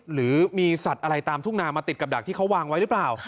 หรือมีสัตว์อะไรตามทุ่งนามาติดกับดักที่เขาวางไว้หรือเปล่า